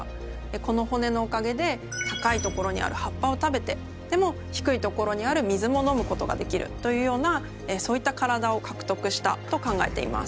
この骨のおかげで高い所にある葉っぱを食べてでも低い所にある水も飲むことができるというようなそういった体を獲得したと考えています。